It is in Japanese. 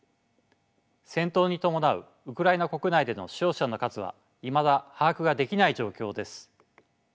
戦闘に伴うウクライナ国内での死傷者の数はいまだ把握ができない状況です。